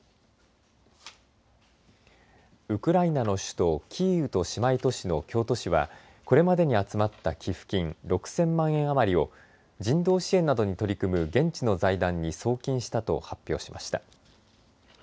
ウクライナの首都キーウと姉妹都市の京都市は、これまでに集まった寄付金６０００万円余りを人道支援などに取り組む現地の財団に送金したと発表しました。